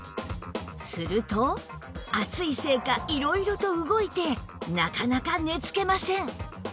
すると暑いせいか色々と動いてなかなか寝つけません